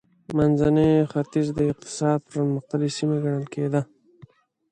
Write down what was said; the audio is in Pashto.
منځنی ختیځ د اقتصاد پرمختللې سیمه ګڼل کېده.